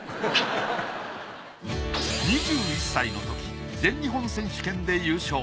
２１歳のとき全日本選手権で優勝。